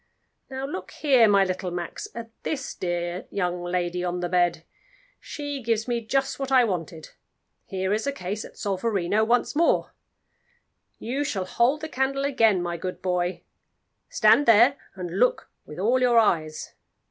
Now look here, my little Max, at this dear young lady on the bed. She gives me just what I wanted; here is the case at Solferino once more. You shall hold the candle again, my good boy; stand there, and look with all your eyes.